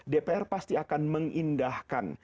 dpr pasti akan mengindahkan